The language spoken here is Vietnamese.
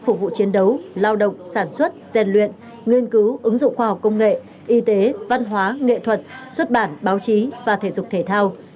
phục vụ chiến đấu lao động sản xuất rèn luyện nghiên cứu ứng dụng khoa học công nghệ y tế văn hóa nghệ thuật xuất bản báo chí và thể dục thể thao